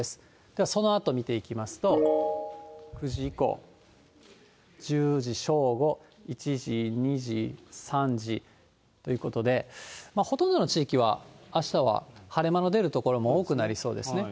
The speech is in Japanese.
ではそのあと見ていきますと、９時以降、１０時、正午、１時、２時、３時ということで、ほとんどの地域は、あしたは晴れ間の出る所も多くなりそうですね。